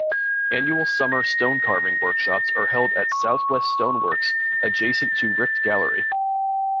Annual summer stonecarving workshops are held at Southwest Stoneworks adjacent to Rift Gallery.